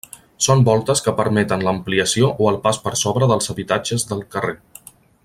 Són voltes que permeten l'ampliació o el pas per sobre dels habitatges del carrer.